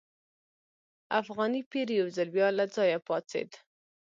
افغاني پیر یو ځل بیا له ځایه پاڅېد.